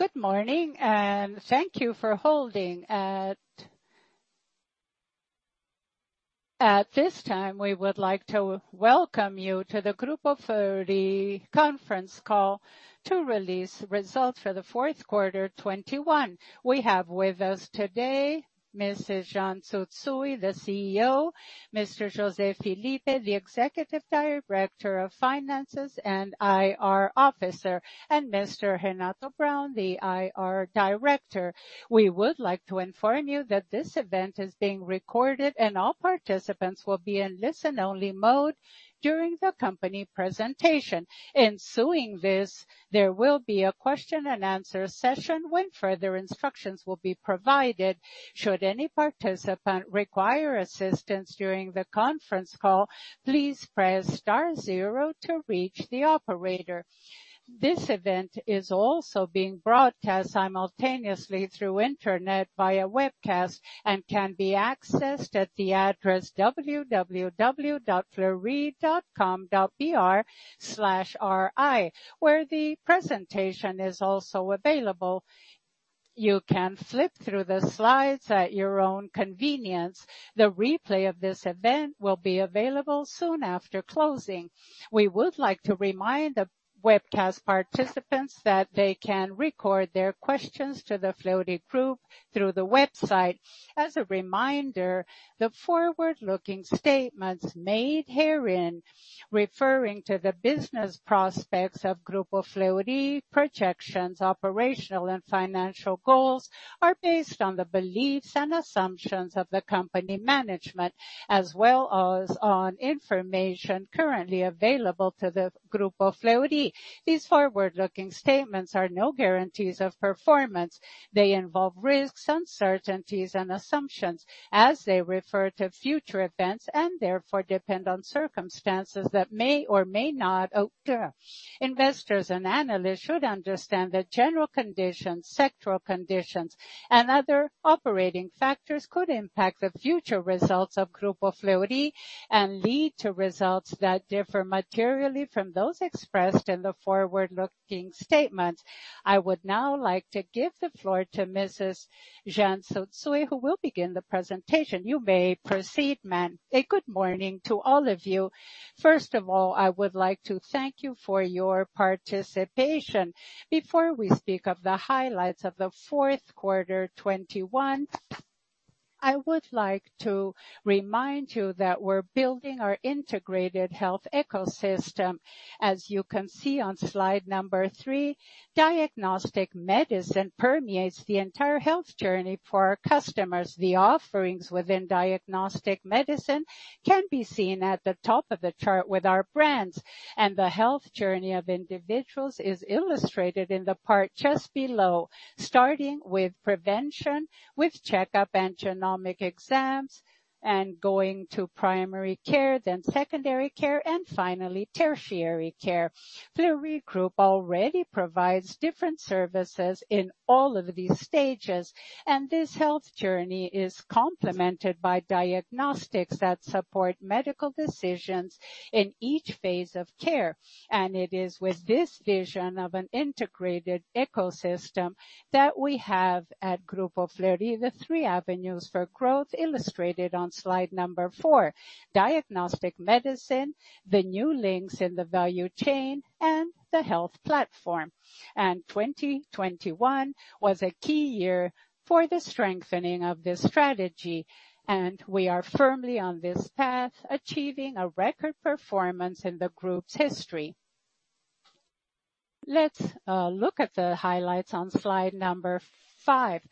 Good morning, and thank you for holding. At this time, we would like to welcome you to the Grupo Fleury Conference Call to release results for the Fourth Quarter 2021. We have with us today Mrs. Jeane Tsutsui, the CEO, Mr. José Filippo, the Executive Director of Finances and IR Officer, and Mr. Renato Braun, the IR Director. We would like to inform you that this event is being recorded and all participants will be in listen-only mode during the company presentation. Following this, there will be a question-and-answer session when further instructions will be provided. Should any participant require assistance during the conference call, please press star zero to reach the operator. This event is also being broadcast simultaneously through the internet via webcast and can be accessed at the address www.fleury.com.br/ri, where the presentation is also available. You can flip through the slides at your own convenience. The replay of this event will be available soon after closing. We would like to remind the webcast participants that they can record their questions to the Fleury Group through the website. As a reminder, the forward-looking statements made herein referring to the business prospects of Grupo Fleury projections, operational and financial goals are based on the beliefs and assumptions of the company management, as well as on information currently available to the Grupo Fleury. These forward-looking statements are no guarantees of performance. They involve risks, uncertainties and assumptions as they refer to future events and therefore depend on circumstances that may or may not occur. Investors and analysts should understand that general conditions, sectoral conditions and other operating factors could impact the future results of Grupo Fleury and lead to results that differ materially from those expressed in the forward-looking statements. I would now like to give the floor to Mrs. Jeane Tsutsui, who will begin the presentation. You may proceed, ma'am. A good morning to all of you. First of all, I would like to thank you for your participation. Before we speak of the highlights of the fourth quarter 2021, I would like to remind you that we're building our integrated health ecosystem. As you can see on slide number three, diagnostic medicine permeates the entire health journey for our customers. The offerings within diagnostic medicine can be seen at the top of the chart with our brands, and the health journey of individuals is illustrated in the part just below. Starting with prevention, with checkup and genomic exams and going to primary care, then secondary care, and finally tertiary care. Fleury Group already provides different services in all of these stages, and this health journey is complemented by diagnostics that support medical decisions in each phase of care. It is with this vision of an integrated ecosystem that we have at Grupo Fleury the three avenues for growth illustrated on slide number four. Diagnostic medicine, the new links in the value chain, and the health platform. 2021 was a key year for the strengthening of this strategy, and we are firmly on this path, achieving a record performance in the group's history. Let's look at the highlights on slide number five.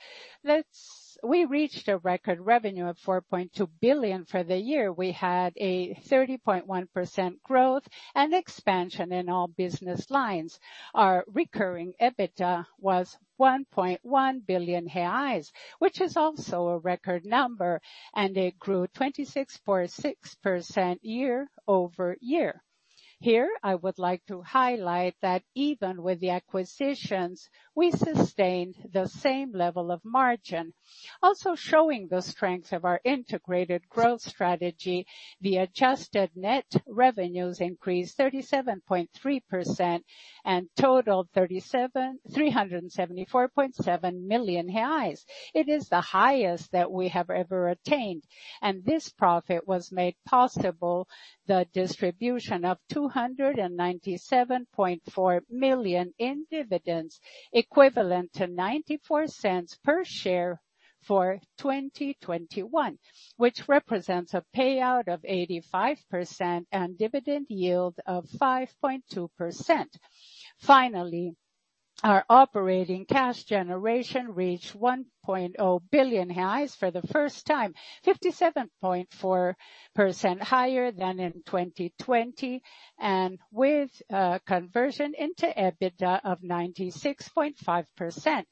We reached a record revenue of 4.2 billion for the year. We had a 30.1% growth and expansion in all business lines. Our recurring EBITDA was 1.1 billion reais, which is also a record number, and it grew 26.6% year-over-year. Here I would like to highlight that even with the acquisitions, we sustained the same level of margin. Also showing the strength of our integrated growth strategy, the adjusted net revenues increased 37.3% and totaled 374.7 million reais. It is the highest that we have ever attained. This profit was made possible by the distribution of 297.4 million in dividends, equivalent to 0.94 per share for 2021, which represents a payout of 85% and dividend yield of 5.2%. Finally, our operating cash generation reached 1.0 billion for the first time, 57.4% higher than in 2020 and with conversion into EBITDA of 96.5%.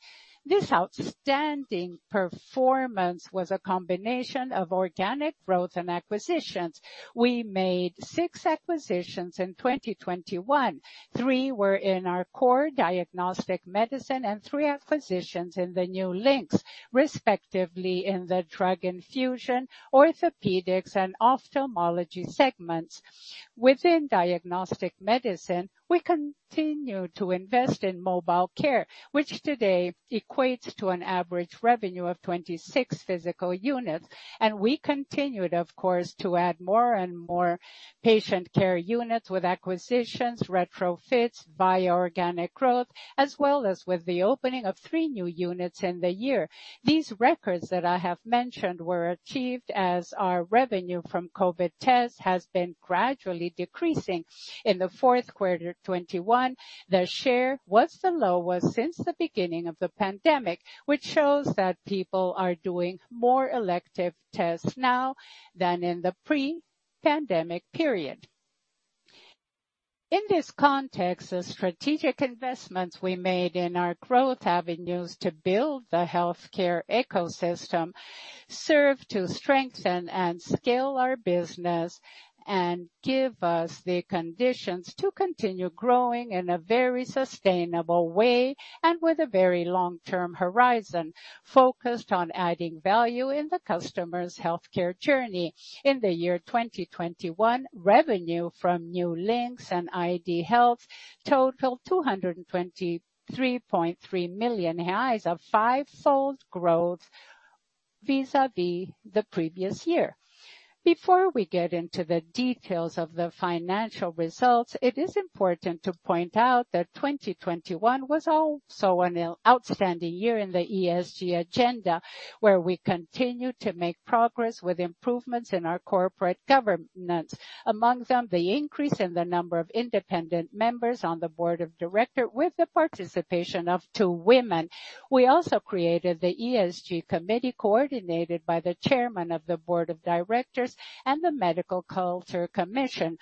This outstanding performance was a combination of organic growth and acquisitions. We made six acquisitions in 2021. Three were in our core diagnostic medicine and three acquisitions in the new links, respectively in the drug infusion, orthopedics, and ophthalmology segments. Within diagnostic medicine, we continue to invest in mobile care, which today equates to an average revenue of 26 physical units. We continued, of course, to add more and more patient care units with acquisitions, retrofits via organic growth, as well as with the opening of three new units in the year. These records that I have mentioned were achieved as our revenue from COVID tests has been gradually decreasing. In the fourth quarter 2021, the share was the lowest since the beginning of the pandemic, which shows that people are doing more elective tests now than in the pre-pandemic period. In this context, the strategic investments we made in our growth avenues to build the healthcare ecosystem serve to strengthen and scale our business and give us the conditions to continue growing in a very sustainable way and with a very long-term horizon focused on adding value in the customer's healthcare journey. In the year 2021, revenue from new links and Saúde iD totaled 223.3 million, a five-fold growth vis-à-vis the previous year. Before we get into the details of the financial results, it is important to point out that 2021 was also an outstanding year in the ESG agenda, where we continued to make progress with improvements in our corporate governance. Among them, the increase in the number of independent members on the board of directors with the participation of two women. We also created the ESG Committee, coordinated by the chairman of the board of directors and the Medical Culture Commission,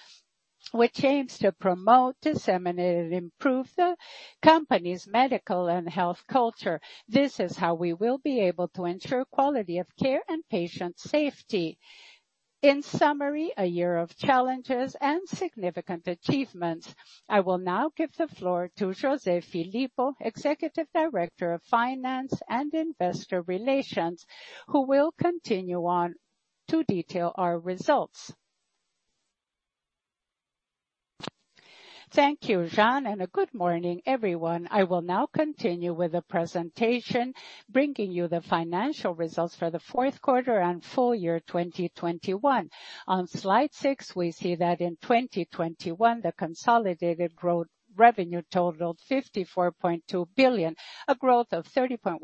which aims to promote, disseminate, and improve the company's medical and health culture. This is how we will be able to ensure quality of care and patient safety. In summary, a year of challenges and significant achievements. I will now give the floor to José Filippo, Executive Director of Finance and Investor Relations, who will continue on to detail our results. Thank you, Jeane, and good morning, everyone. I will now continue with the presentation, bringing you the financial results for the fourth quarter and full year 2021. On slide six, we see that in 2021, the consolidated growth revenue totaled 54.2 billion, a growth of 30.1%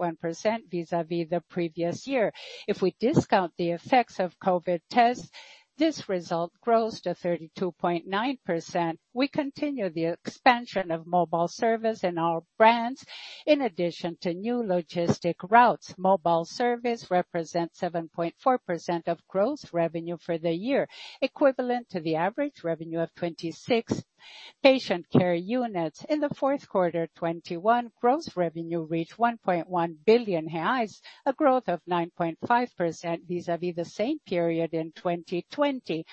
vis-à-vis the previous year. If we discount the effects of COVID tests, this result grows to 32.9%. We continue the expansion of mobile service in our brands in addition to new logistic routes. Mobile service represents 7.4% of gross revenue for the year, equivalent to the average revenue of 26 patient care units. In the fourth quarter 2021, gross revenue reached 1.1 billion reais, a growth of 9.5% vis-à-vis the same period in 2020.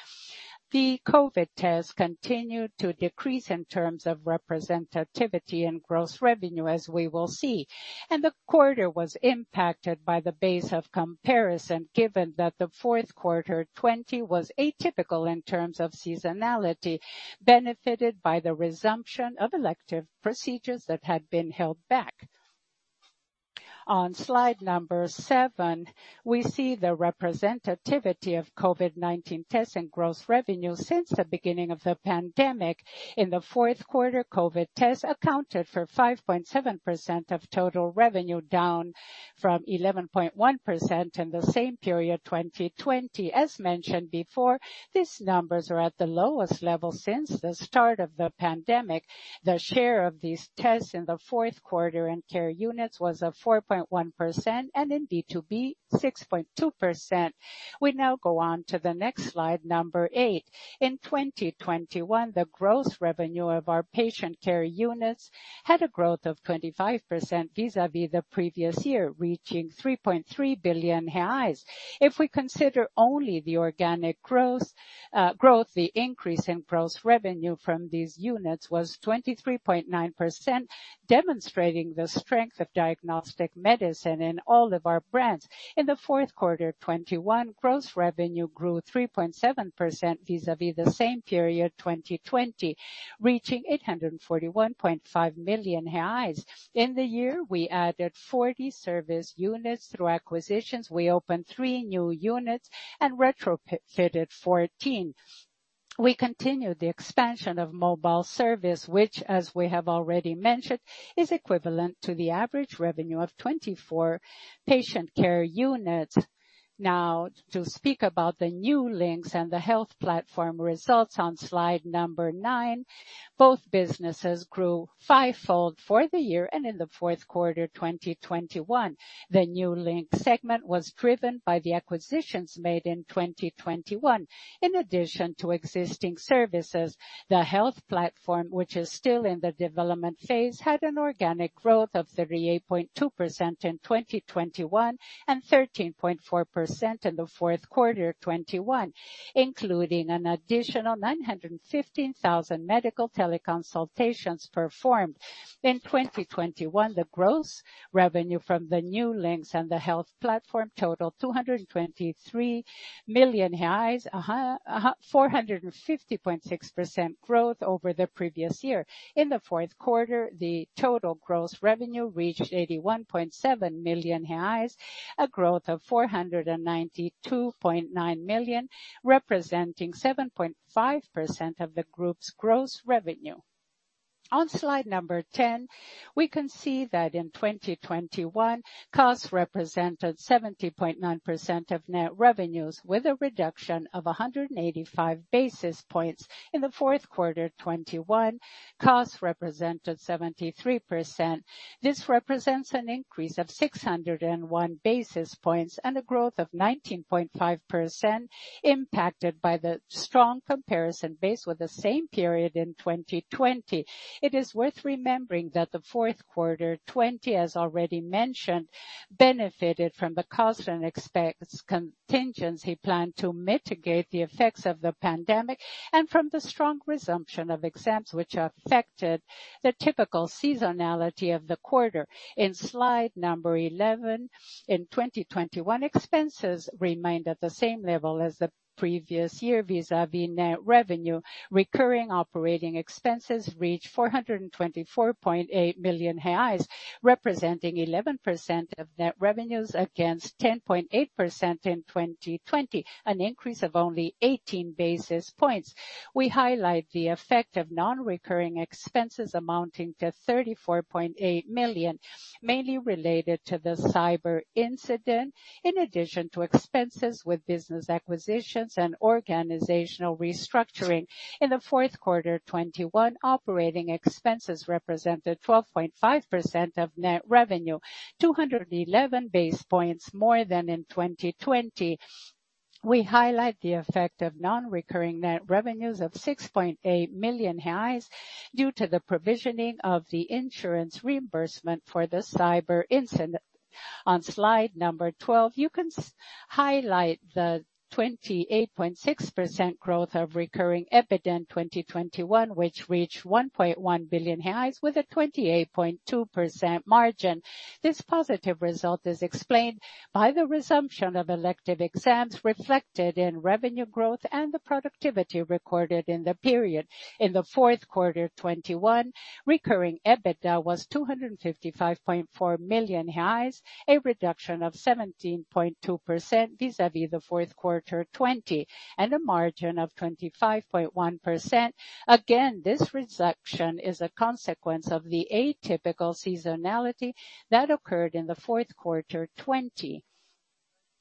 The COVID test continued to decrease in terms of representativity and gross revenue, as we will see. The quarter was impacted by the base of comparison, given that the fourth quarter 2020 was atypical in terms of seasonality, benefited by the resumption of elective procedures that had been held back. On slide number seven, we see the representativity of COVID-19 tests and gross revenue since the beginning of the pandemic. In the fourth quarter, COVID tests accounted for 5.7% of total revenue, down from 11.1% in the same period, 2020. As mentioned before, these numbers are at the lowest level since the start of the pandemic. The share of these tests in the fourth quarter in care units was at 4.1%, and in B2B, 6.2%. We now go on to the next slide, number eight. In 2021, the gross revenue of our patient care units had a growth of 25% vis-à-vis the previous year, reaching 3.3 billion reais. If we consider only the organic gross growth, the increase in gross revenue from these units was 23.9%, demonstrating the strength of diagnostic medicine in all of our brands. In the fourth quarter 2021, gross revenue grew 3.7% vis-à-vis the same period, 2020, reaching 841.5 million reais. In the year, we added 40 service units through acquisitions. We opened three new units and retrofitted 14. We continued the expansion of mobile service, which as we have already mentioned, is equivalent to the average revenue of 24 patient care units. Now to speak about the new links and the health platform results on slide number nine, both businesses grew five-fold for the year and in the fourth quarter of 2021. The new link segment was driven by the acquisitions made in 2021. In addition to existing services, the health platform, which is still in the development phase, had an organic growth of 38.2% in 2021 and 13.4% in the fourth quarter of 2021, including an additional 915,000 medical teleconsultations performed. In 2021, the gross revenue from the new links and the health platform totaled 223 million reais, a 450.6% growth over the previous year. In the fourth quarter, the total gross revenue reached 81.7 million reais, a growth of 492.9 million, representing 7.5% of the group's gross revenue. On slide 10, we can see that in 2021, costs represented 70.9% of net revenues, with a reduction of 185 basis points. In the fourth quarter of 2021, costs represented 73%. This represents an increase of 601 basis points and a growth of 19.5% impacted by the strong comparison base with the same period in 2020. It is worth remembering that the fourth quarter of 2020, as already mentioned, benefited from the cost and expense contingency plan to mitigate the effects of the pandemic and from the strong resumption of exams which affected the typical seasonality of the quarter. In slide number 11, in 2021, expenses remained at the same level as the previous year vis-à-vis net revenue. Recurring operating expenses reached 424.8 million reais, representing 11% of net revenues against 10.8% in 2020, an increase of only 18 basis points. We highlight the effect of non-recurring expenses amounting to 34.8 million, mainly related to the cyber incident, in addition to expenses with business acquisitions and organizational restructuring. In the fourth quarter of 2021, operating expenses represented 12.5% of net revenue, 211 basis points more than in 2020. We highlight the effect of non-recurring net revenues of 6.8 million reais due to the provisioning of the insurance reimbursement for the cyber incident. On slide number 12, you can highlight the 28.6% growth of recurring EBITDA in 2021, which reached 1.1 billion reais with a 28.2% margin. This positive result is explained by the resumption of elective exams reflected in revenue growth and the productivity recorded in the period. In the fourth quarter of 2021, recurring EBITDA was 255.4 million reais, a reduction of 17.2% vis-à-vis the fourth quarter of 2020, and a margin of 25.1%. Again, this reduction is a consequence of the atypical seasonality that occurred in the fourth quarter of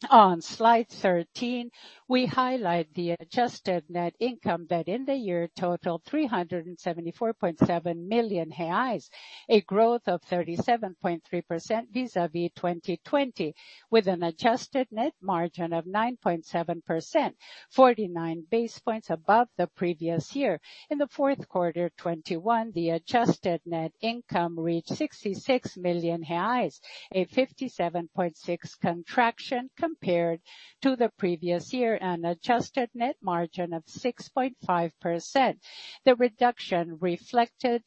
2020. On slide 13, we highlight the adjusted net income that in the year totaled 374.7 million reais, a growth of 37.3% vis-à-vis 2020, with an adjusted net margin of 9.7%, 49 basis points above the previous year. In the fourth quarter of 2021, the adjusted net income reached 66 million reais, a 57.6% contraction compared to the previous year and adjusted net margin of 6.5%. The reduction reflected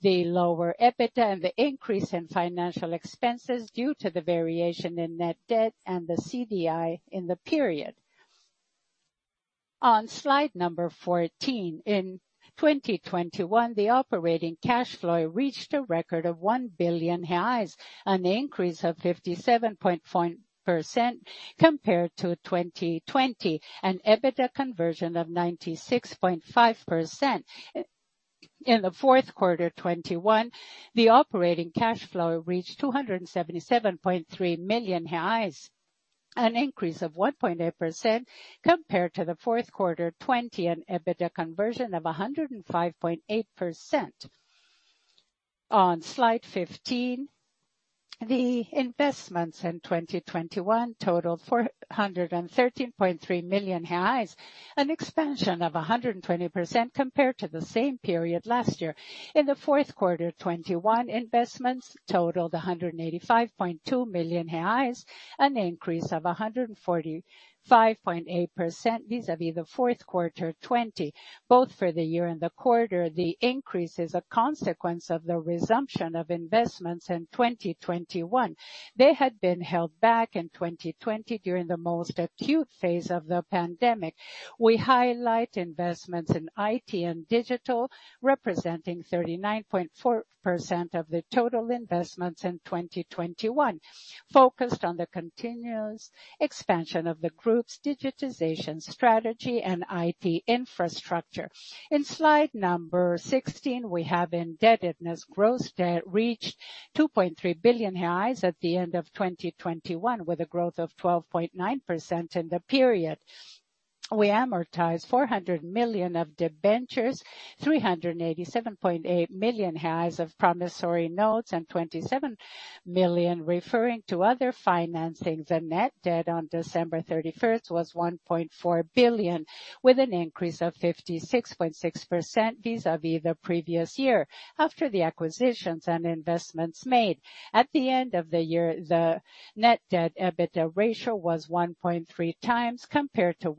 the lower EBITDA and the increase in financial expenses due to the variation in net debt and the CDI in the period. On slide number 14, in 2021, the operating cash flow reached a record of 1 billion reais, an increase of 57% compared to 2020. An EBITDA conversion of 96.5%. In the fourth quarter of 2021, the operating cash flow reached 277.3 million reais, an increase of 1.8% compared to the fourth quarter of 2020, and EBITDA conversion of 105.8%. On slide 15, the investments in 2021 totaled 413.3 million reais, an expansion of 120% compared to the same period last year. In the fourth quarter of 2021, investments totaled 185.2 million reais, an increase of 145.8% vis-à-vis the fourth quarter of 2020. Both for the year and the quarter, the increase is a consequence of the resumption of investments in 2021. They had been held back in 2020 during the most acute phase of the pandemic. We highlight investments in IT and digital, representing 39.4% of the total investments in 2021, focused on the continuous expansion of the group's digitization strategy and IT infrastructure. In slide number 16, we have indebtedness. Gross debt reached 2.3 billion reais at the end of 2021, with a growth of 12.9% in the period. We amortized 400 million of debentures, 387.8 million of promissory notes, and 27 million referring to other financings. The net debt on December 31st was 1.4 billion BRL, with an increase of 56.6% vis-à-vis the previous year after the acquisitions and investments made. At the end of the year, the net debt EBITDA ratio was 1.3x compared to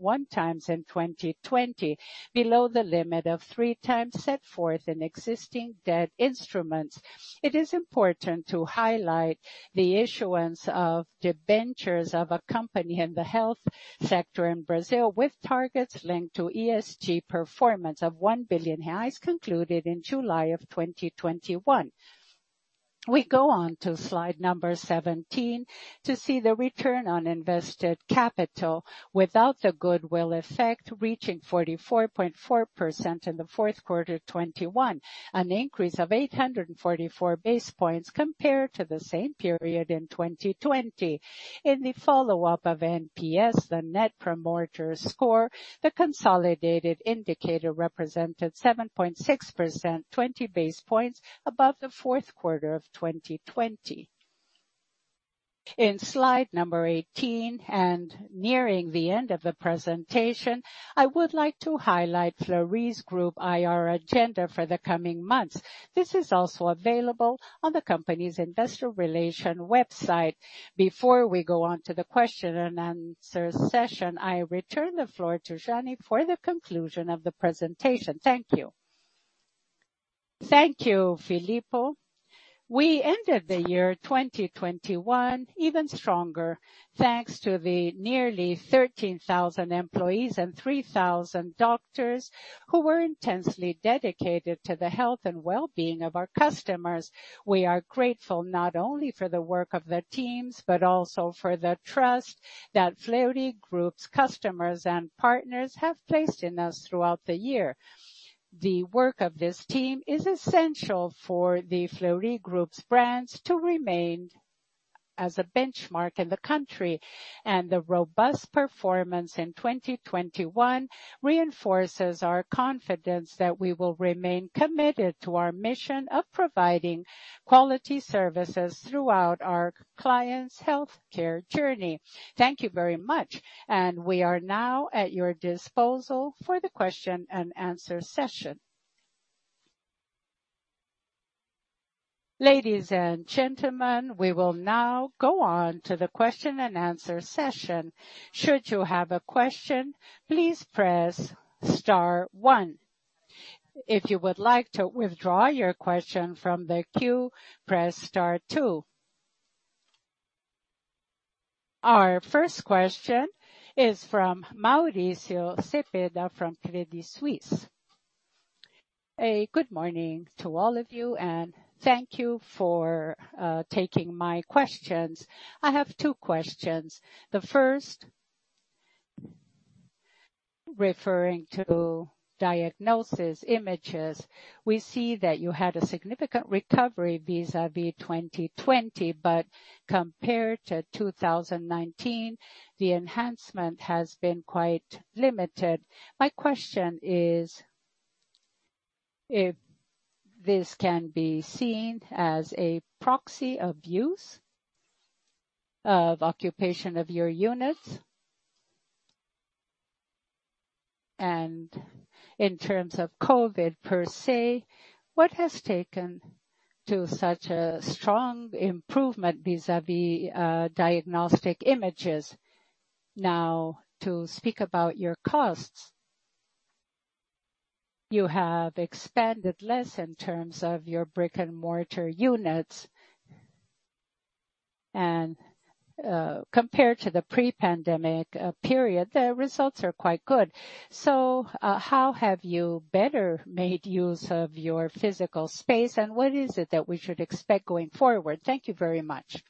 1.1x in 2020, below the limit of 3x set forth in existing debt instruments. It is important to highlight the issuance of debentures of a company in the health sector in Brazil, with targets linked to ESG performance of 1 billion reais concluded in July of 2021. We go on to slide number 17 to see the return on invested capital without the goodwill effect, reaching 44.4% in the fourth quarter of 2021, an increase of 844 basis points compared to the same period in 2020. In the follow-up of NPS, the Net Promoter Score, the consolidated indicator represented 7.6%, 20 basis points above the fourth quarter of 2020. In slide number 18, nearing the end of the presentation, I would like to highlight Fleury Group IR agenda for the coming months. This is also available on the company's investor relations website. Before we go on to the question-and-answer session, I return the floor to Jeane Tsutsui for the conclusion of the presentation. Thank you. Thank you, José Filippo. We ended the year 2021 even stronger, thanks to the nearly 13,000 employees and 3,000 doctors who were intensely dedicated to the health and well-being of our customers. We are grateful not only for the work of the teams, but also for the trust that Fleury Group's customers and partners have placed in us throughout the year. The work of this team is essential for the Fleury Group's brands to remain as a benchmark in the country. The robust performance in 2021 reinforces our confidence that we will remain committed to our mission of providing quality services throughout our clients' healthcare journey. Thank you very much. We are now at your disposal for the question-and-answer session. Ladies and gentlemen, we will now go on to the question-and-answer session. Should you have a question, please press star one. If you would like to withdraw your question from the queue, press star two. Our first question is from Mauricio Cepeda from Credit Suisse. Good morning to all of you, and thank you for taking my questions. I have two questions. The first, referring to diagnostic imaging. We see that you had a significant recovery vis-a-vis 2020, but compared to 2019, the enhancement has been quite limited. My question is if this can be seen as a proxy of use and occupancy of your units. In terms of COVID per se, what has led to such a strong improvement vis-à-vis diagnostic imaging? Now to speak about your costs. You have expanded less in terms of your brick-and-mortar units. Compared to the pre-pandemic period, the results are quite good. How have you better made use of your physical space, and what is it that we should expect going forward? Thank you very much.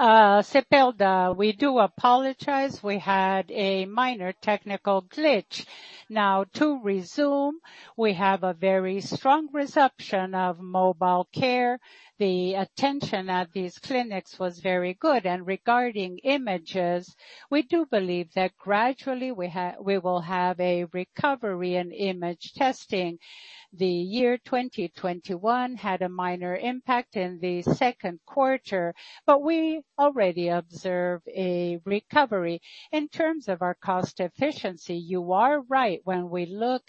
Cepeda, we do apologize. We had a minor technical glitch. Now to resume, we have a very strong reception of mobile care. The attention at these clinics was very good. Regarding imaging, we do believe that gradually we will have a recovery in imaging testing. The year 2021 had a minor impact in the second quarter, but we already observe a recovery. In terms of our cost efficiency, you are right. When we look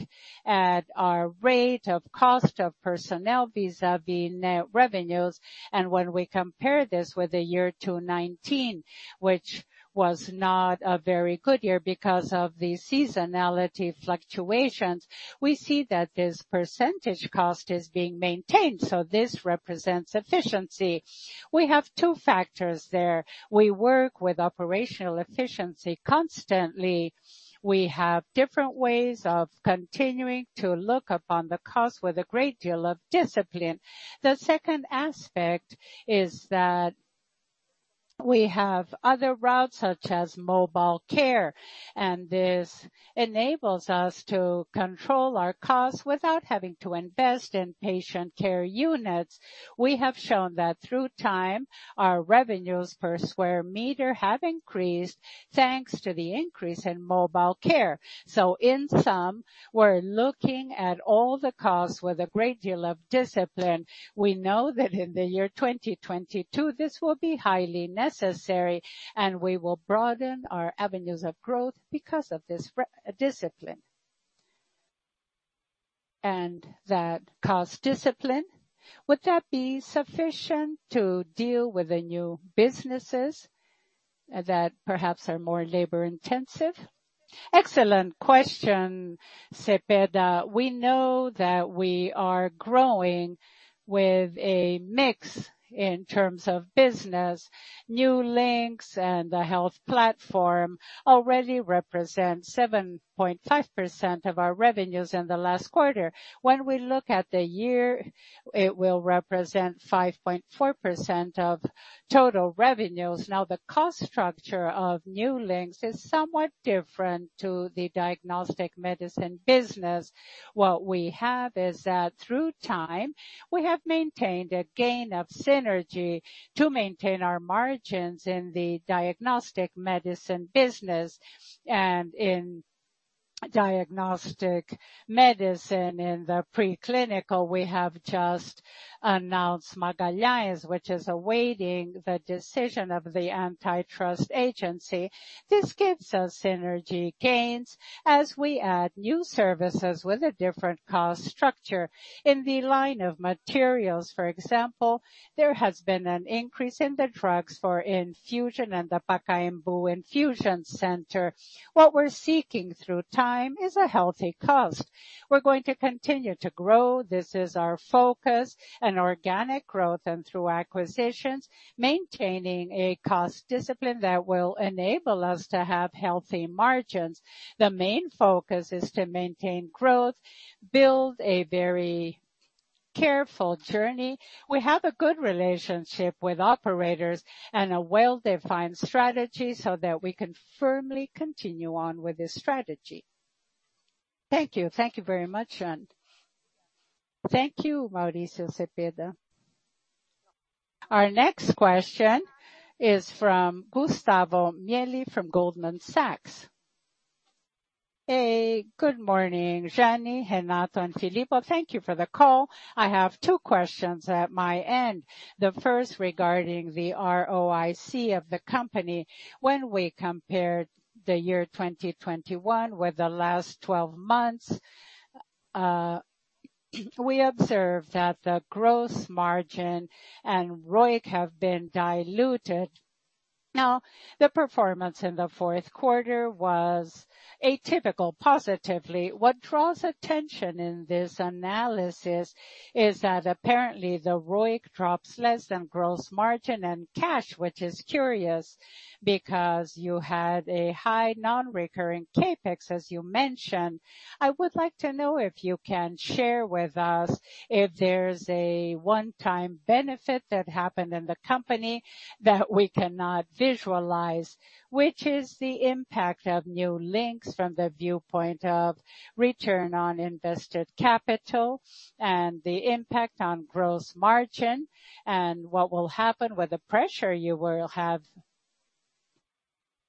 at our rate of cost of personnel vis-a-vis net revenues, and when we compare this with the year 2019, which was not a very good year because of the seasonality fluctuations, we see that this percentage cost is being maintained. This represents efficiency. We have two factors there. We work with operational efficiency constantly. We have different ways of continuing to look upon the cost with a great deal of discipline. The second aspect is that we have other routes, such as mobile care, and this enables us to control our costs without having to invest in patient care units. We have shown that through time, our revenues per sq m have increased thanks to the increase in mobile care. In sum, we're looking at all the costs with a great deal of discipline. We know that in the year 2022, this will be highly necessary, and we will broaden our avenues of growth because of this discipline. That cost discipline, would that be sufficient to deal with the new businesses that perhaps are more labor-intensive? Excellent question, Cepeda. We know that we are growing with a mix in terms of business. New links and the health platform already represent 7.5% of our revenues in the last quarter. When we look at the year, it will represent 5.4% of total revenues. Now, the cost structure of new links is somewhat different to the diagnostic medicine business. What we have is that through time, we have maintained a gain of synergy to maintain our margins in the diagnostic medicine business. In diagnostic medicine in the pre-clinical, we have just announced Magalhães, which is awaiting the decision of the antitrust agency. This gives us synergy gains as we add new services with a different cost structure. In the line of materials, for example, there has been an increase in the drugs for infusion and the Pacaembu Infusion Center. What we're seeking through time is a healthy cost. We're going to continue to grow. This is our focus, an organic growth and through acquisitions, maintaining a cost discipline that will enable us to have healthy margins. The main focus is to maintain growth, build a very careful journey. We have a good relationship with operators and a well-defined strategy so that we can firmly continue on with this strategy. Thank you. Thank you very much. Thank you, Mauricio Cepeda. Our next question is from Gustavo Miele from Goldman Sachs. Hey, good morning, Jeane, Renato, and Filippo. Thank you for the call. I have two questions at my end. The first regarding the ROIC of the company. When we compared the year 2021 with the last 12 months, we observed that the gross margin and ROIC have been diluted. Now, the performance in the fourth quarter was atypical positively. What draws attention in this analysis is that apparently the ROIC drops less than gross margin and cash, which is curious because you had a high non-recurring CapEx, as you mentioned. I would like to know if you can share with us if there's a one-time benefit that happened in the company that we cannot visualize. Which is the impact of new links from the viewpoint of return on invested capital and the impact on gross margin, and what will happen with the pressure you will have,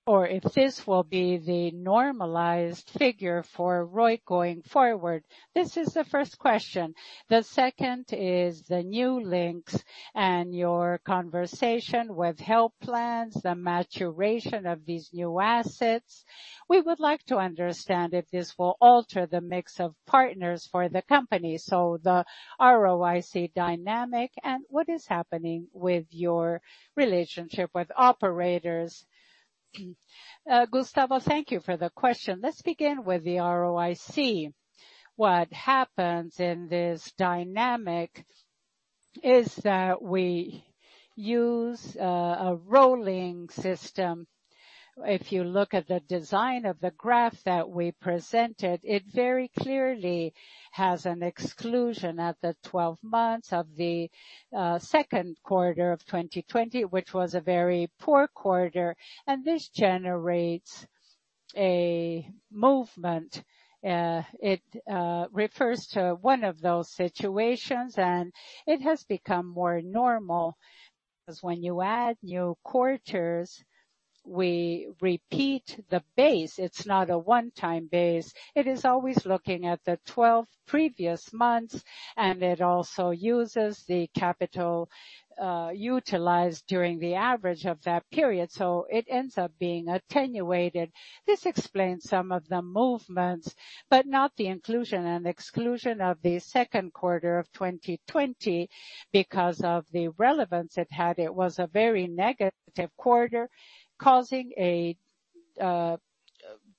or if this will be the normalized figure for ROIC going forward? This is the first question. The second is the new links and your conversation with health plans, the maturation of these new assets. We would like to understand if this will alter the mix of partners for the company. The ROIC dynamic and what is happening with your relationship with operators. Gustavo, thank you for the question. Let's begin with the ROIC. What happens in this dynamic is that we use a rolling system. If you look at the design of the graph that we presented, it very clearly has an exclusion at the 12 months of the second quarter of 2020, which was a very poor quarter, and this generates a movement. It refers to one of those situations, and it has become more normal, 'cause when you add new quarters, we repeat the base. It's not a one-time base. It is always looking at the 12 previous months, and it also uses the capital utilized during the average of that period, so it ends up being attenuated. This explains some of the movements, but not the inclusion and exclusion of the second quarter of 2020. Because of the relevance it had, it was a very negative quarter, causing a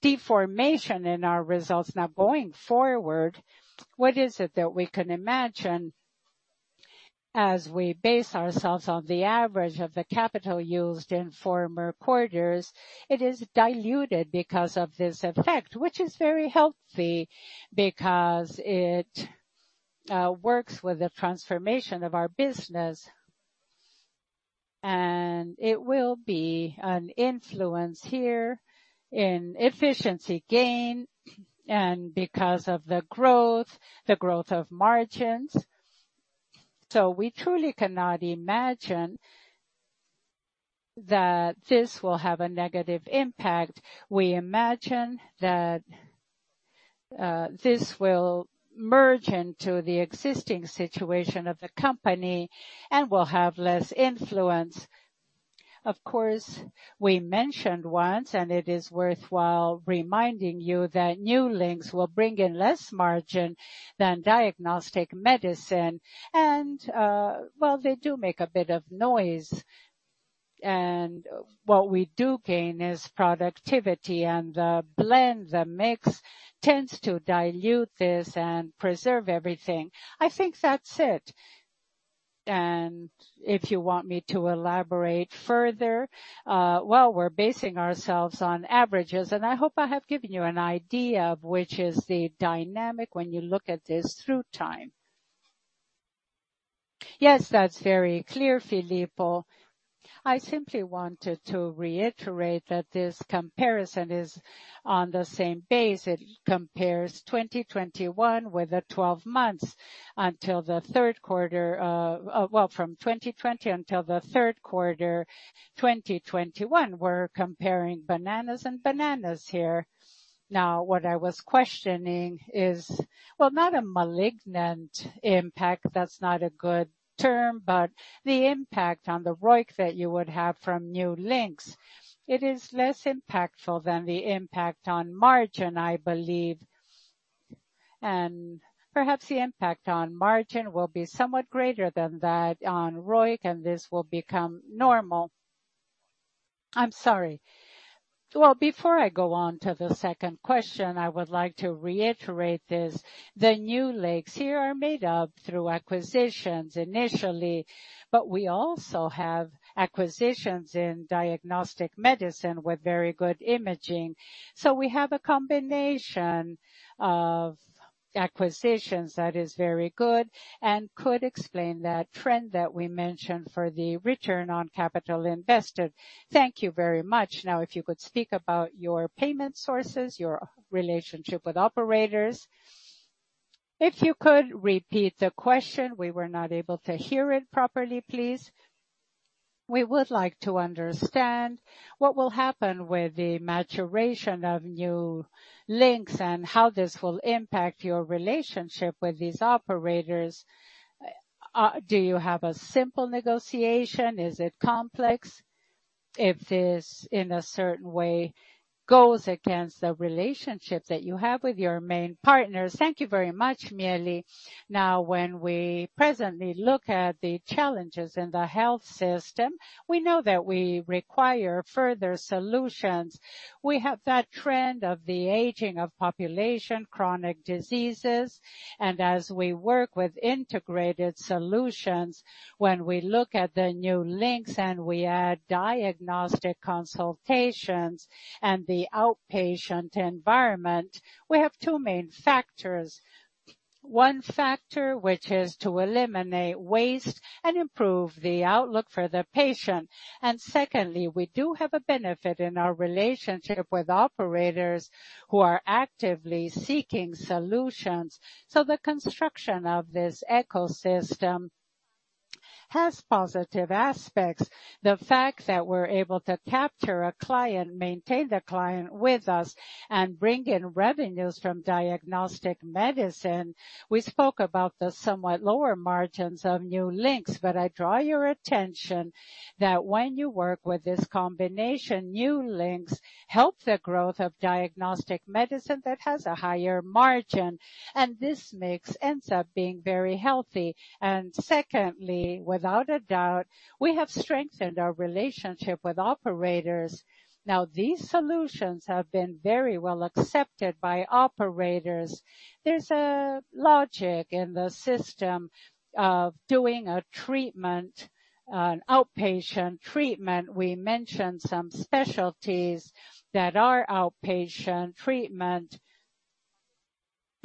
deformation in our results. Now, going forward, what is it that we can imagine as we base ourselves on the average of the capital used in former quarters? It is diluted because of this effect, which is very healthy because it works with the transformation of our business. It will be an influence here in efficiency gain and because of the growth of margins. We truly cannot imagine that this will have a negative impact. We imagine that this will merge into the existing situation of the company and will have less influence. Of course, we mentioned once, and it is worthwhile reminding you that new links will bring in less margin than diagnostic medicine. Well, they do make a bit of noise. What we do gain is productivity. The blend, the mix tends to dilute this and preserve everything. I think that's it. If you want me to elaborate further, we're basing ourselves on averages, and I hope I have given you an idea of which is the dynamic when you look at this through time. Yes, that's very clear, Filippo. I simply wanted to reiterate that this comparison is on the same base. It compares 2021 with the 12 months until the third quarter, from 2020 until the third quarter 2021. We're comparing bananas and bananas here. Now, what I was questioning is, not a malignant impact, that's not a good term, but the impact on the ROIC that you would have from new links. It is less impactful than the impact on margin, I believe. Perhaps the impact on margin will be somewhat greater than that on ROIC, and this will become normal. I'm sorry. Well, before I go on to the second question, I would like to reiterate this. The new links here are made up through acquisitions initially, but we also have acquisitions in diagnostic medicine with very good imaging. We have a combination of acquisitions that is very good and could explain that trend that we mentioned for the return on capital invested. Thank you very much. Now, if you could speak about your payment sources, your relationship with operators. If you could repeat the question, we were not able to hear it properly, please. We would like to understand what will happen with the maturation of new links and how this will impact your relationship with these operators. Do you have a simple negotiation? Is it complex? If this, in a certain way, goes against the relationship that you have with your main partners. Thank you very much, Miele. Now, when we presently look at the challenges in the health system, we know that we require further solutions. We have that trend of the aging of population, chronic diseases, and as we work with integrated solutions, when we look at the new links and we add diagnostic consultations and the outpatient environment, we have two main factors. One factor, which is to eliminate waste and improve the outlook for the patient. Secondly, we do have a benefit in our relationship with operators who are actively seeking solutions. The construction of this ecosystem has positive aspects. The fact that we're able to capture a client, maintain the client with us, and bring in revenues from diagnostic medicine. We spoke about the somewhat lower margins of new links, but I draw your attention that when you work with this combination, new links help the growth of diagnostic medicine that has a higher margin, and this mix ends up being very healthy. Secondly, without a doubt, we have strengthened our relationship with operators. Now, these solutions have been very well accepted by operators. There's a logic in the system of doing a treatment, an outpatient treatment. We mentioned some specialties that are outpatient treatment.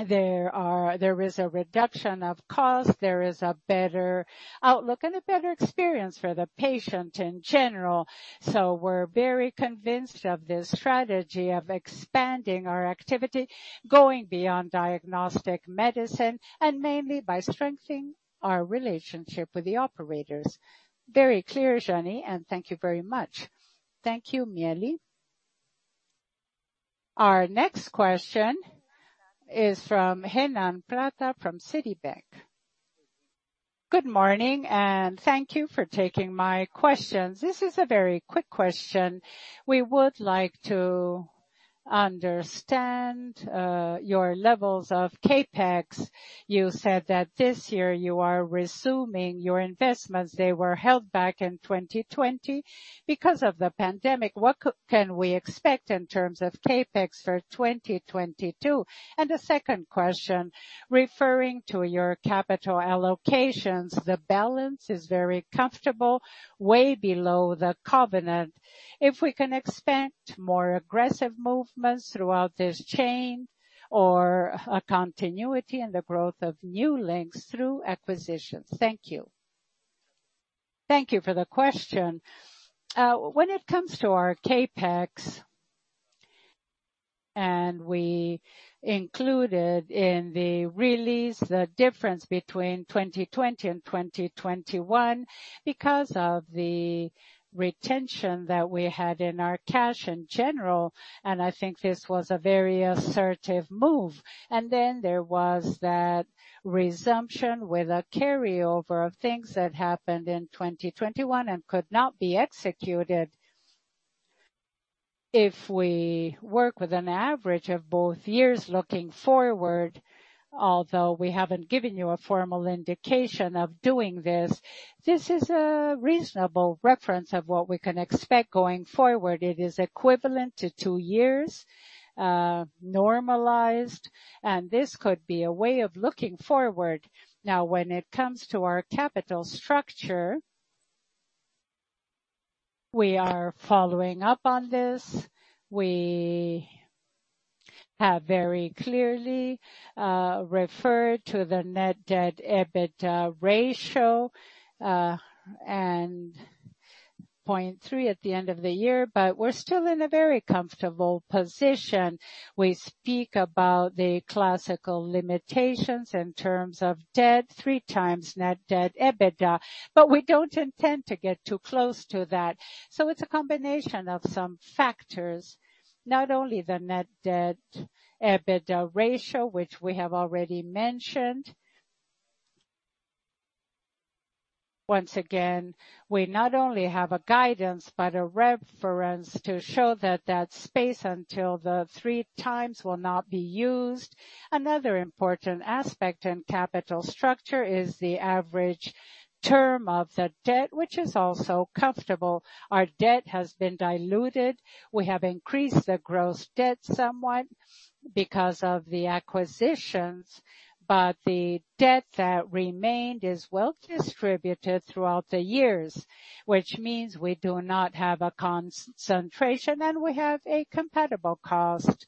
There is a reduction of cost, there is a better outlook and a better experience for the patient in general. We're very convinced of this strategy of expanding our activity, going beyond diagnostic medicine, and mainly by strengthening our relationship with the operators. Very clear, Jeane, and thank you very much. Thank you, Miele. Our next question is from Renan Prata from Citibank. Good morning, and thank you for taking my questions. This is a very quick question. We would like to understand your levels of CapEx. You said that this year you are resuming your investments. They were held back in 2020 because of the pandemic. What can we expect in terms of CapEx for 2022? And a second question, referring to your capital allocations. The balance is very comfortable, way below the covenant. Can we expect more aggressive movements throughout this chain or a continuity in the growth of new links through acquisitions? Thank you. Thank you for the question. When it comes to our CapEx, and we included in the release the difference between 2020 and 2021 because of the retention that we had in our cash in general, and I think this was a very assertive move. Then there was that resumption with a carryover of things that happened in 2021 and could not be executed. If we work with an average of both years looking forward, although we haven't given you a formal indication of doing this is a reasonable reference of what we can expect going forward. It is equivalent to two years, normalized, and this could be a way of looking forward. Now, when it comes to our capital structure, we are following up on this. We have very clearly referred to the net debt EBITDA ratio and 0.3 at the end of the year, but we're still in a very comfortable position. We speak about the classical limitations in terms of debt 3x net debt EBITDA, but we don't intend to get too close to that. It's a combination of some factors, not only the net debt EBITDA ratio, which we have already mentioned. Once again, we not only have a guidance, but a reference to show that that space until the 3x will not be used. Another important aspect in capital structure is the average term of the debt, which is also comfortable. Our debt has been diluted. We have increased the gross debt somewhat because of the acquisitions, but the debt that remained is well distributed throughout the years, which means we do not have a concentration, and we have a compatible cost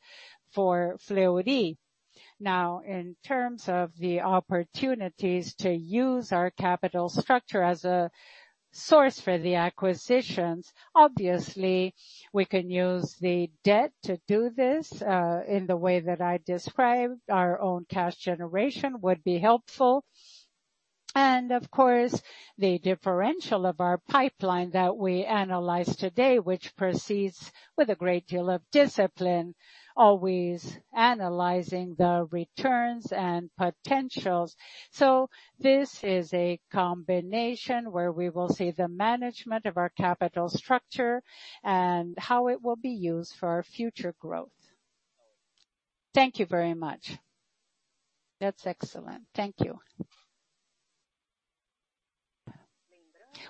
for Fleury. Now, in terms of the opportunities to use our capital structure as a source for the acquisitions, obviously we can use the debt to do this, in the way that I described. Our own cash generation would be helpful. Of course, the differential of our pipeline that we analyzed today, which proceeds with a great deal of discipline, always analyzing the returns and potentials. This is a combination where we will see the management of our capital structure and how it will be used for our future growth. Thank you very much. That's excellent. Thank you.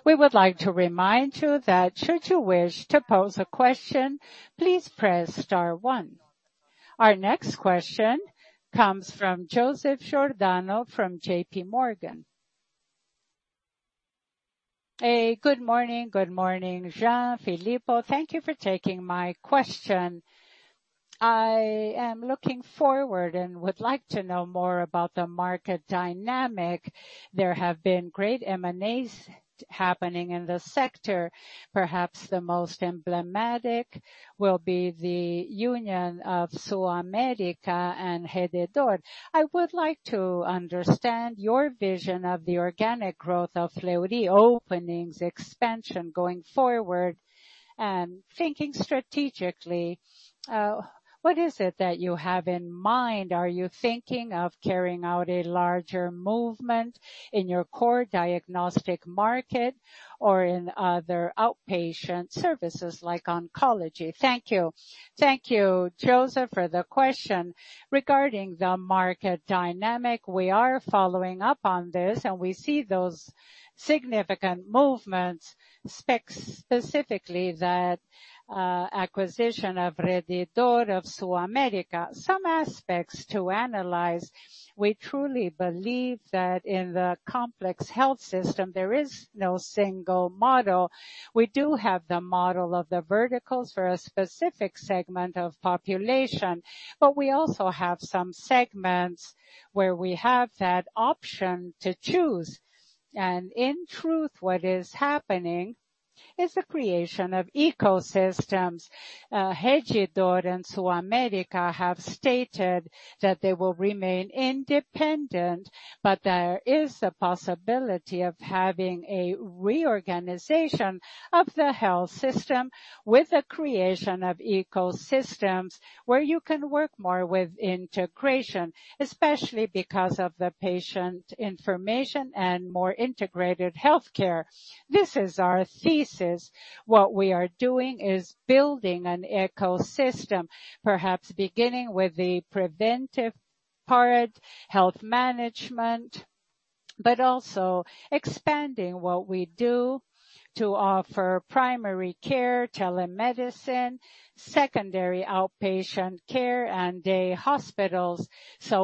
We would like to remind you that should you wish to pose a question please press star one. Our next question comes from Joseph Giordano from J.P. Morgan. Hey, good morning. Good morning, Jeane, Filippo. Thank you for taking my question. I am looking forward and would like to know more about the market dynamic. There have been great M&As happening in the sector. Perhaps the most emblematic will be the union of SulAmérica and Rede D'Or. I would like to understand your vision of the organic growth of Fleury openings expansion going forward. Thinking strategically, what is it that you have in mind? Are you thinking of carrying out a larger movement in your core diagnostic market or in other outpatient services like oncology? Thank you. Thank you, Joseph, for the question. Regarding the market dynamic, we are following up on this, and we see those significant movements, specifically that acquisition of Rede D'Or of SulAmérica. Some aspects to analyze. We truly believe that in the complex health system, there is no single model. We do have the model of the verticals for a specific segment of population, but we also have some segments where we have that option to choose. In truth, what is happening is the creation of ecosystems. Rede D'Or and SulAmérica have stated that they will remain independent, but there is the possibility of having a reorganization of the health system with the creation of ecosystems where you can work more with integration, especially because of the patient information and more integrated healthcare. This is our thesis. What we are doing is building an ecosystem, perhaps beginning with the preventive part, health management, but also expanding what we do to offer primary care, telemedicine, secondary outpatient care and day hospitals.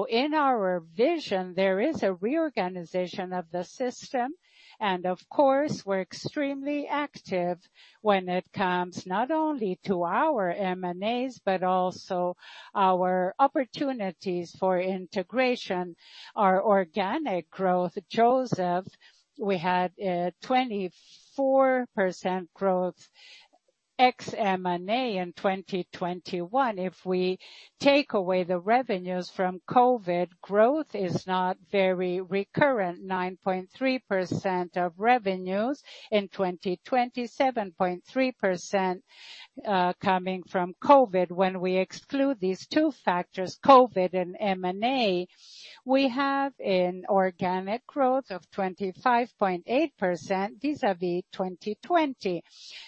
In our vision, there is a reorganization of the system. Of course, we're extremely active when it comes not only to our M&As, but also our opportunities for integration, our organic growth. Joseph, we had 24% growth ex-M&A in 2021. If we take away the revenues from COVID, growth is not very recurrent. 9.3% of revenues in 2020, 7.3% coming from COVID. When we exclude these two factors, COVID and M&A, we have an organic growth of 25.8% vis-à-vis 2020.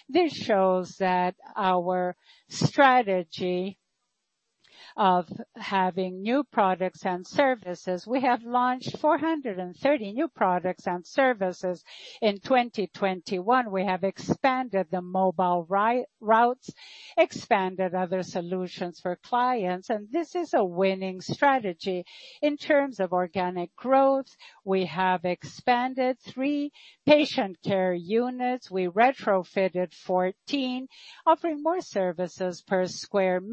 This shows that our strategy of having new products and services. We have launched 430 new products and services in 2021. We have expanded the mobile routes, expanded other solutions for clients, and this is a winning strategy. In terms of organic growth, we have expanded three patient care units. We retrofitted 14, offering more services per sq m,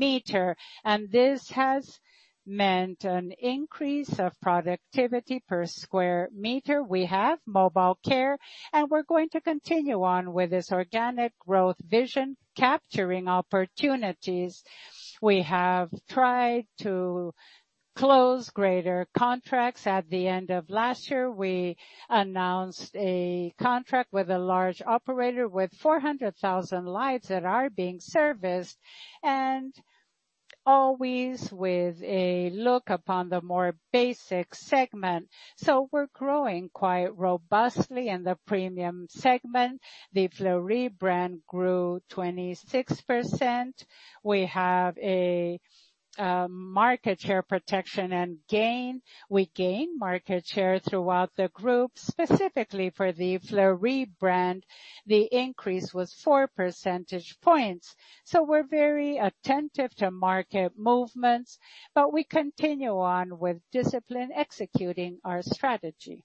and this has meant an increase of productivity per sq m. We have mobile care, and we're going to continue on with this organic growth vision, capturing opportunities. We have tried to close greater contracts. At the end of last year, we announced a contract with a large operator with 400,000 lives that are being serviced and always with a look upon the more basic segment. We're growing quite robustly in the premium segment. The Fleury brand grew 26%. We have a market share protection and gain. We gain market share throughout the group, specifically for the Fleury brand. The increase was 4 percentage points. We're very attentive to market movements, but we continue on with discipline executing our strategy.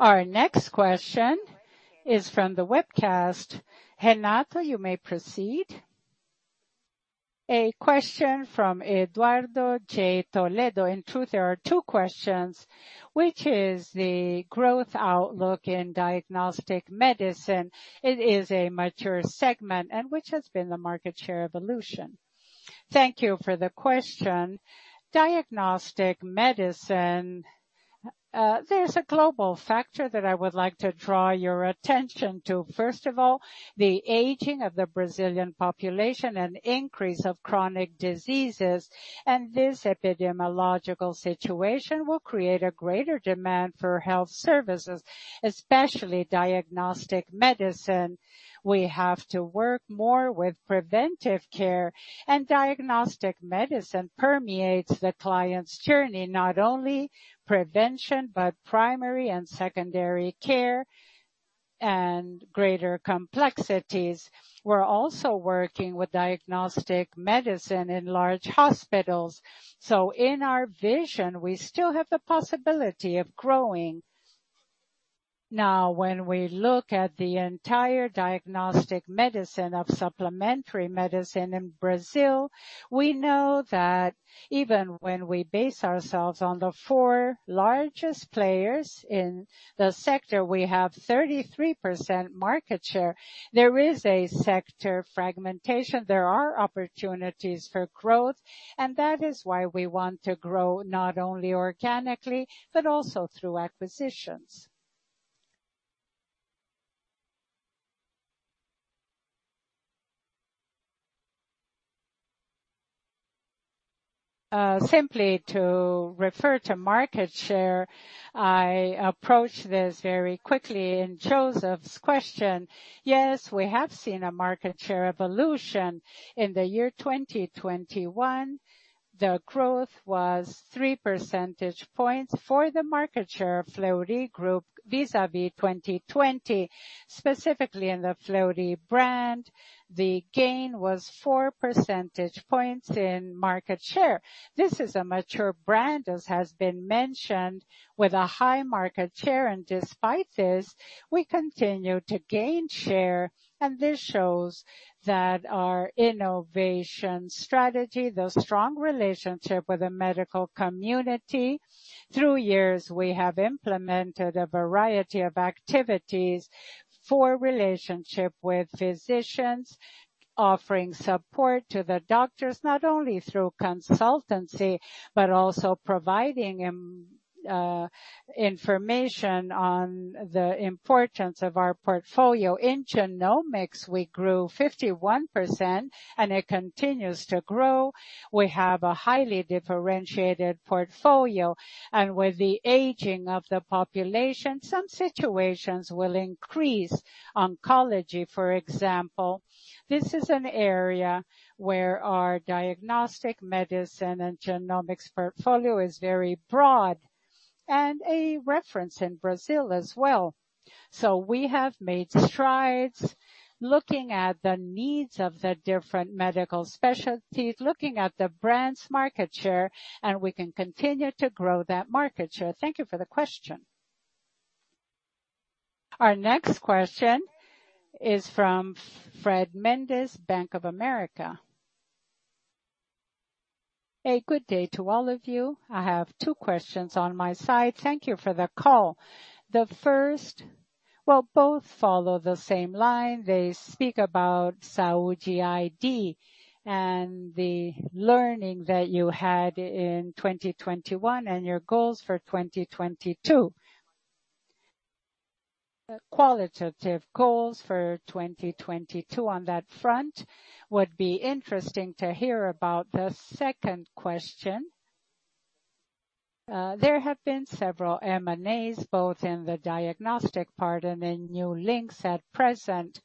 Our next question is from the webcast. Renato, you may proceed. A question from Eduardo J. Toledo. In truth, there are two questions. Which is the growth outlook in diagnostic medicine? It is a mature segment. And which has been the market share evolution? Thank you for the question. Diagnostic medicine. There's a global factor that I would like to draw your attention to. First of all, the aging of the Brazilian population and increase of chronic diseases, and this epidemiological situation will create a greater demand for health services, especially diagnostic medicine. We have to work more with preventive care and diagnostic medicine permeates the client's journey, not only prevention, but primary and secondary care and greater complexities. We're also working with diagnostic medicine in large hospitals. In our vision, we still have the possibility of growing. Now, when we look at the entire diagnostic medicine of supplementary medicine in Brazil, we know that even when we base ourselves on the four largest players in the sector, we have 33% market share. There is a sector fragmentation. There are opportunities for growth, and that is why we want to grow not only organically, but also through acquisitions. Simply to refer to market share, I approach this very quickly in Joseph's question. Yes, we have seen a market share evolution. In the year 2021, the growth was three percentage points for the market share Fleury Group vis-à-vis 2020. Specifically in the Fleury brand, the gain was 4 percentage points in market share. This is a mature brand, as has been mentioned, with a high market share. Despite this, we continue to gain share, and this shows that our innovation strategy, the strong relationship with the medical community. Through years, we have implemented a variety of activities for relationship with physicians, offering support to the doctors, not only through consultancy, but also providing information on the importance of our portfolio. In genomics, we grew 51%, and it continues to grow. We have a highly differentiated portfolio, and with the aging of the population, some situations will increase. Oncology, for example. This is an area where our diagnostic medicine and genomics portfolio is very broad and a reference in Brazil as well. We have made strides looking at the needs of the different medical specialties, looking at the brand's market share, and we can continue to grow that market share. Thank you for the question. Our next question is from Fred Mendes, Bank of America. A good day to all of you. I have two questions on my side. Thank you for the call. Both follow the same line. They speak about Saúde iD and the learning that you had in 2021 and your goals for 2022. Qualitative goals for 2022 on that front would be interesting to hear about. The second question, there have been several M&As, both in the diagnostic part and in new links at present.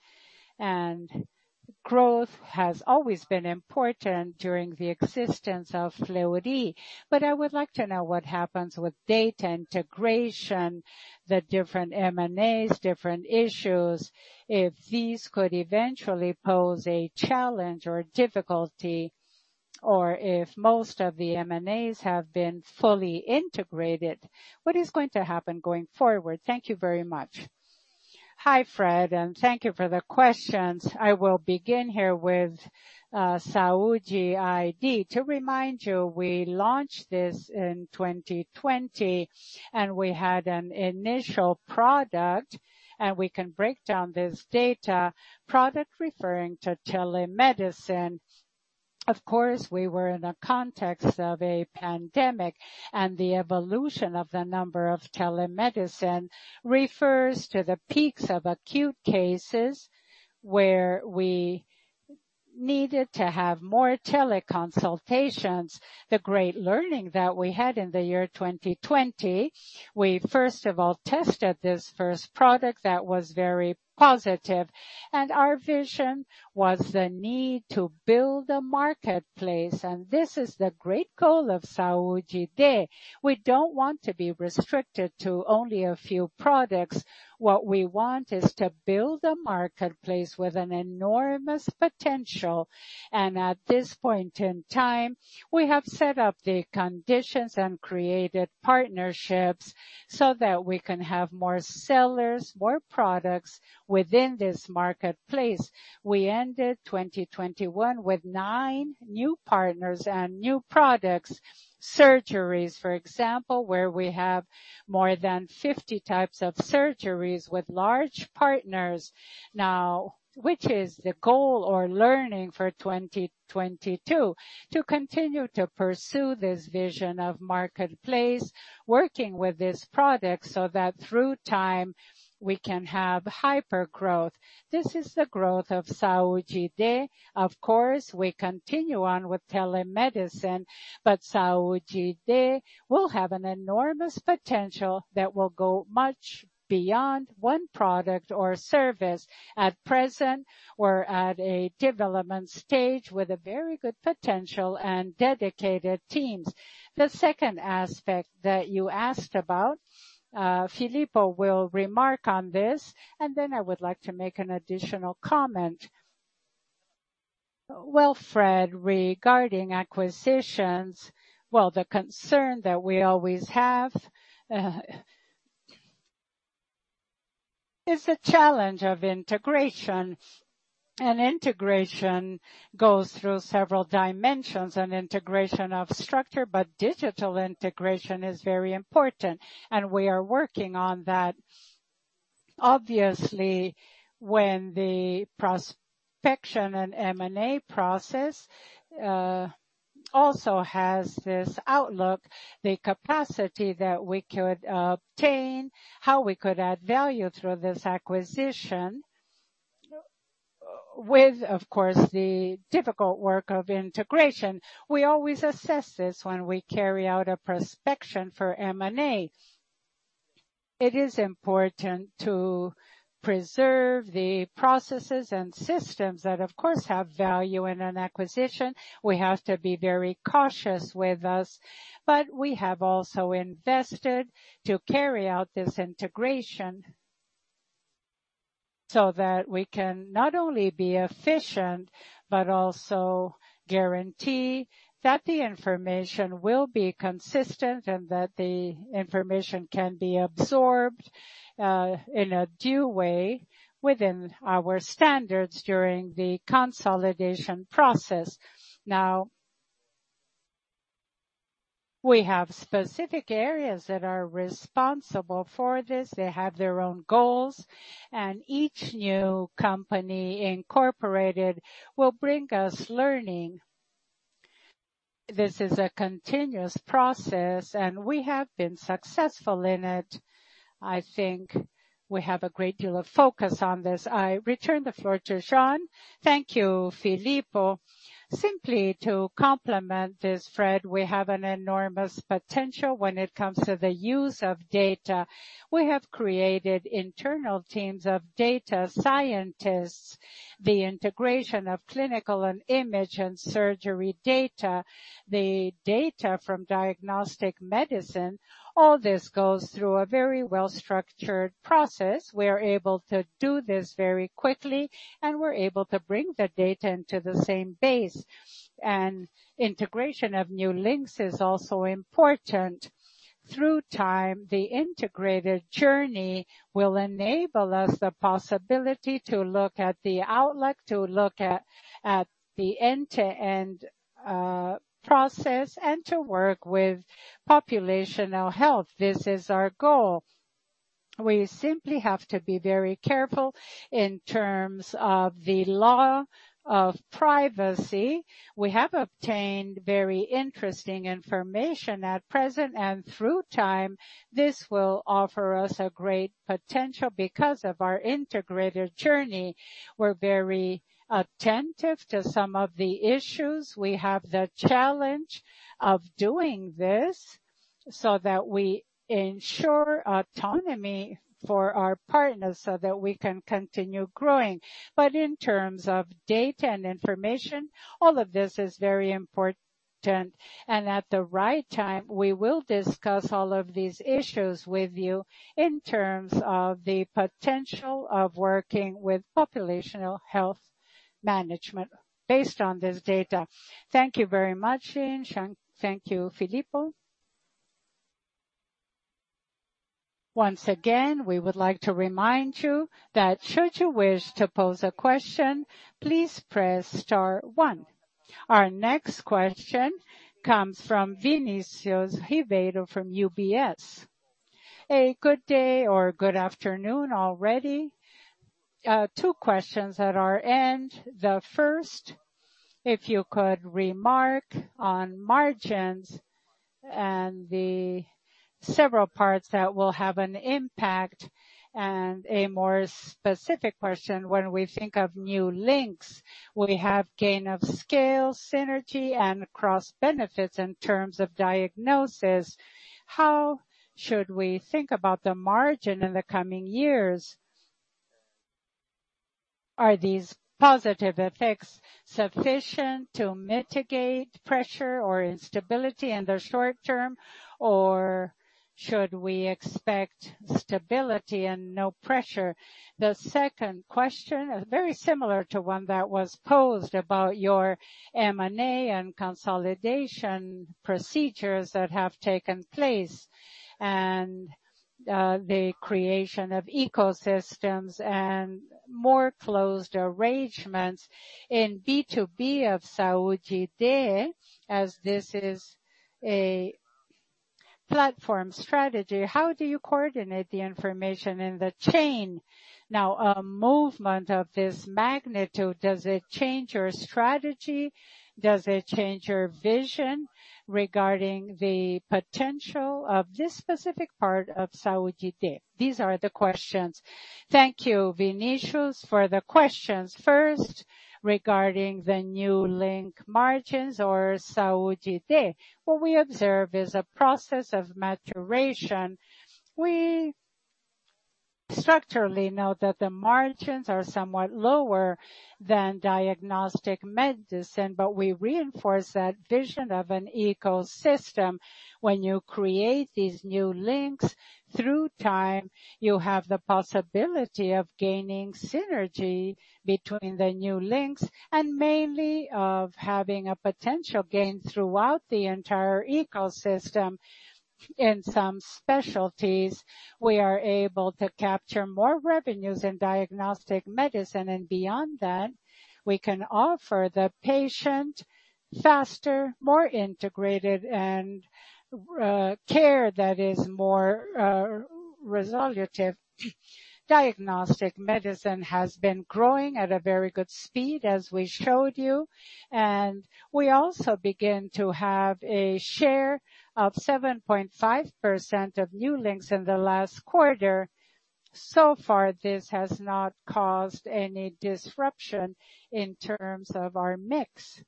Growth has always been important during the existence of Fleury. I would like to know what happens with data integration, the different M&As, different issues, if these could eventually pose a challenge or difficulty, or if most of the M&As have been fully integrated, what is going to happen going forward? Thank you very much. Hi, Fred, and thank you for the questions. I will begin here with Saúde iD. To remind you, we launched this in 2020, and we had an initial product, and we can break down this data product referring to telemedicine. Of course, we were in a context of a pandemic, and the evolution of the number of telemedicine refers to the peaks of acute cases where we needed to have more teleconsultations. The great learning that we had in the year 2020, we first of all tested this first product that was very positive, and our vision was the need to build a marketplace, and this is the great goal of Saúde iD. We don't want to be restricted to only a few products. What we want is to build a marketplace with an enormous potential. At this point in time, we have set up the conditions and created partnerships so that we can have more sellers, more products within this marketplace. We ended 2021 with nine new partners and new products. Surgeries, for example, where we have more than 50 types of surgeries with large partners. Now, which is the goal or learning for 2022? To continue to pursue this vision of marketplace, working with this product so that through time we can have hypergrowth. This is the growth of Saúde iD. Of course, we continue on with telemedicine, but Saúde iD will have an enormous potential that will go much beyond one product or service. At present, we're at a development stage with a very good potential and dedicated teams. The second aspect that you asked about, Filippo will remark on this, and then I would like to make an additional comment. Well, Fred, regarding acquisitions, well, the concern that we always have is the challenge of integration. Integration goes through several dimensions and integration of structure, but digital integration is very important, and we are working on that. Obviously, when the prospection and M&A process also has this outlook, the capacity that we could obtain, how we could add value through this acquisition with, of course, the difficult work of integration. We always assess this when we carry out a prospection for M&A. It is important to preserve the processes and systems that, of course, have value in an acquisition. We have to be very cautious with this. We have also invested to carry out this integration so that we can not only be efficient, but also guarantee that the information will be consistent and that the information can be absorbed in a due way within our standards during the consolidation process. Now, we have specific areas that are responsible for this. They have their own goals, and each new company incorporated will bring us learning. This is a continuous process, and we have been successful in it. I think we have a great deal of focus on this. I return the floor to Jeane. Thank you, Filippo. Simply to complement this thread, we have an enormous potential when it comes to the use of data. We have created internal teams of data scientists, the integration of clinical and imaging and surgery data, the data from diagnostic medicine. All this goes through a very well-structured process. We're able to do this very quickly, and we're able to bring the data into the same base. Integration of new links is also important. Through time, the integrated journey will enable us the possibility to look at the outlook, to look at the end-to-end process and to work with population health. This is our goal. We simply have to be very careful in terms of the law of privacy. We have obtained very interesting information at present, and through time, this will offer us a great potential because of our integrated journey. We're very attentive to some of the issues. We have the challenge of doing this so that we ensure autonomy for our partners so that we can continue growing. But in terms of data and information, all of this is very important. At the right time, we will discuss all of these issues with you in terms of the potential of working with population health management based on this data. Thank you very much, Jeane. Thank you, Filippo. Once again, we would like to remind you that should you wish to pose a question, please press star one. Our next question comes from Vinicius Ribeiro from UBS. A good day or good afternoon already. Two questions at our end. The first, if you could remark on margins and the several parts that will have an impact. A more specific question, when we think of new links, we have gain of scale, synergy, and cross benefits in terms of diagnosis. How should we think about the margin in the coming years? Are these positive effects sufficient to mitigate pressure or instability in the short term, or should we expect stability and no pressure? The second question is very similar to one that was posed about your M&A and consolidation procedures that have taken place, and, the creation of ecosystems and more closed arrangements in B2B of Saúde iD, as this is a platform strategy. How do you coordinate the information in the chain? Now, a movement of this magnitude, does it change your strategy? Does it change your vision regarding the potential of this specific part of Saúde iD? These are the questions. Thank you, Vinicius, for the questions. First, regarding the new link margins or Saúde iD. What we observe is a process of maturation. We structurally know that the margins are somewhat lower than diagnostic medicine, but we reinforce that vision of an ecosystem. When you create these new links, through time, you have the possibility of gaining synergy between the new links, and mainly of having a potential gain throughout the entire ecosystem. In some specialties, we are able to capture more revenues in diagnostic medicine, and beyond that, we can offer the patient faster, more integrated, and care that is more resolutive. Diagnostic medicine has been growing at a very good speed, as we showed you, and we also begin to have a share of 7.5% of new links in the last quarter. So far, this has not caused any disruption in terms of our mix.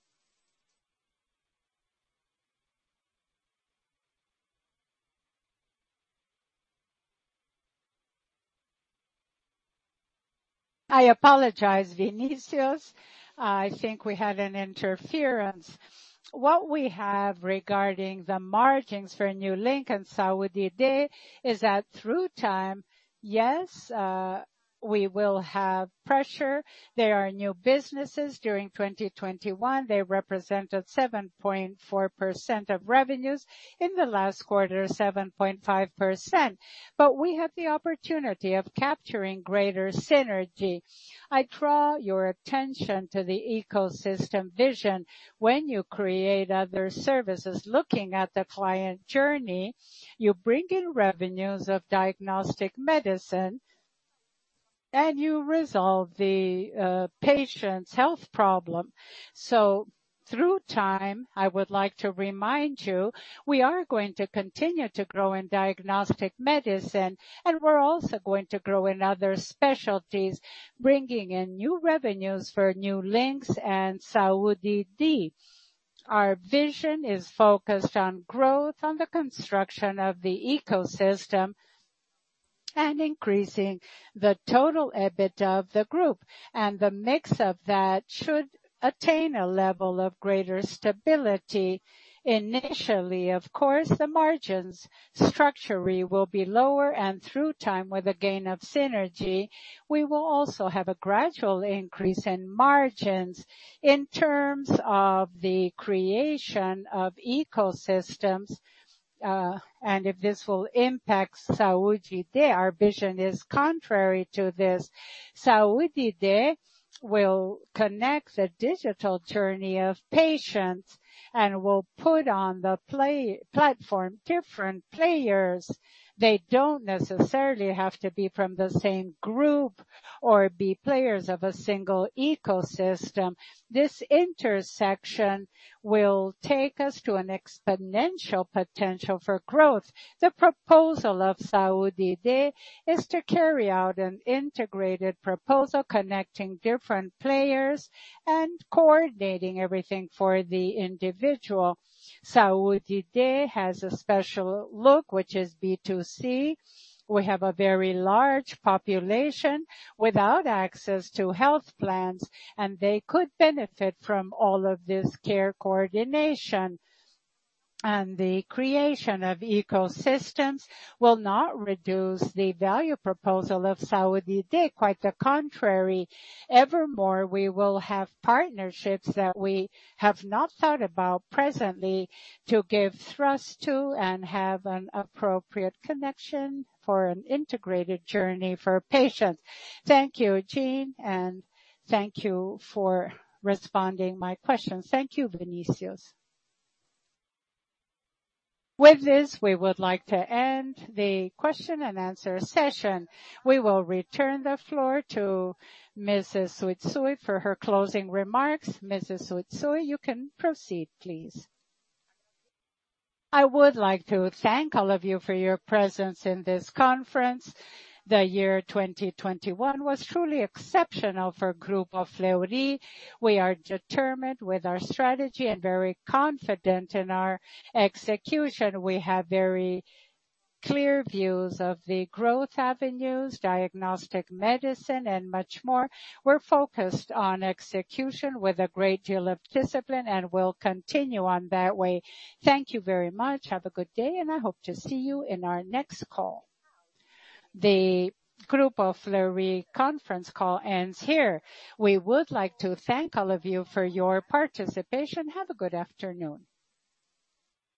I apologize, Vinicius. I think we had an interference. What we have regarding the margins for new links and Saúde iD is that through time, yes, we will have pressure. There are new businesses during 2021. They represented 7.4% of revenues. In the last quarter, 7.5%. But we have the opportunity of capturing greater synergy. I draw your attention to the ecosystem vision. When you create other services looking at the client journey, you bring in revenues of diagnostic medicine, and you resolve the patient's health problem. Through time, I would like to remind you, we are going to continue to grow in diagnostic medicine, and we're also going to grow in other specialties, bringing in new revenues for new links and Saúde iD. Our vision is focused on growth, on the construction of the ecosystem and increasing the total EBIT of the group. The mix of that should attain a level of greater stability. Initially, of course, the margins structurally will be lower, and through time, with a gain of synergy, we will also have a gradual increase in margins. In terms of the creation of ecosystems, and if this will impact Saúde iD, our vision is contrary to this. Saúde iD will connect the digital journey of patients and will put on the platform different players. They don't necessarily have to be from the same group or be players of a single ecosystem. This intersection will take us to an exponential potential for growth. The proposal of Saúde iD is to carry out an integrated proposal connecting different players and coordinating everything for the individual. Saúde iD has a special look, which is B2C. We have a very large population without access to health plans, and they could benefit from all of this care coordination. The creation of ecosystems will not reduce the value proposition of Saúde iD. Quite the contrary. Moreover, we will have partnerships that we have not thought about presently to give thrust to and have an appropriate connection for an integrated journey for patients. Thank you, Jeane, and thank you for responding my questions. Thank you, Vinicius. With this, we would like to end the question-and-answer session. We will return the floor to Mrs. Tsutsui for her closing remarks. Mrs. Tsutsui, you can proceed, please. I would like to thank all of you for your presence in this conference. The year 2021 was truly exceptional for Grupo Fleury. We are determined with our strategy and very confident in our execution. We have very clear views of the growth avenues, diagnostic medicine and much more. We're focused on execution with a great deal of discipline, and we'll continue on that way. Thank you very much. Have a good day, and I hope to see you in our next call. The Grupo Fleury conference call ends here. We would like to thank all of you for your participation. Have a good afternoon.